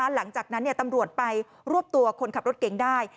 หลังจากนั้นตำรวจไปรวบตัวคนขับรถเก๋งได้